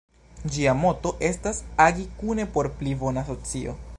Ĝia moto estas "Agi kune por pli bona socio".